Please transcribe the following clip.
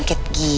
sasi tau sih